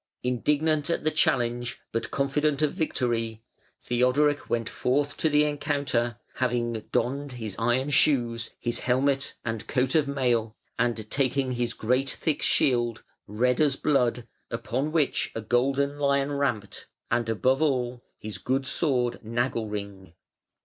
Indignant at the challenge, but confident of victory, Theodoric went forth to the encounter, having donned his iron shoes, his helmet and coat of mail, and taking his great thick shield, red as blood, upon which a golden lion ramped, and above all, his good sword Nagelring.